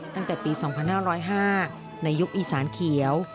ตั้งแต่ปี๒๕๐๕ในยุคอีสานเขียว